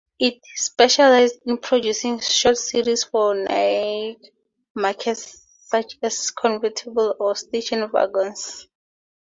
It specialized in producing short series for niche markets, such as convertibles or station-wagons.